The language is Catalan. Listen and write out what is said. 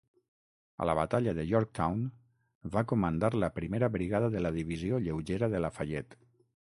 A la batalla de Yorktown, va comandar la primera brigada de la Divisió lleugera de Lafayette.